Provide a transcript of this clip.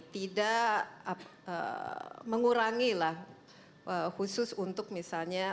tidak mengurangi lah khusus untuk misalnya